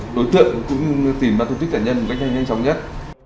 đối tượng cũng tìm ra thủ tích nạn nhân nhanh chóng nhất